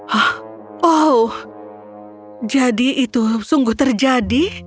hah oh jadi itu sungguh terjadi